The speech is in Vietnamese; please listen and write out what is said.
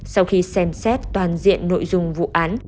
sau khi xem xét toàn diện nội dung vụ án